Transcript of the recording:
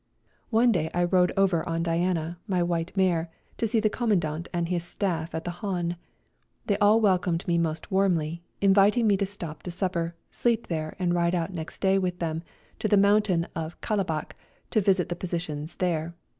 One day I rode over on Diana, my white mare, to see the Commandant and his staff at the hahn. They all wel comed me most warmly, inviting me to stop to supper, sleep there, and ride out next day with them to the moimtain of Kalabac, to visit the positions there.